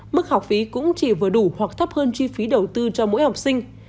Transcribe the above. mức học phí cũng chỉ vừa đủ hoặc thấp hơn chi phí đầu tư cho mỗi học sinh